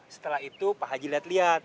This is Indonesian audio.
setelah itu pak haji liat liat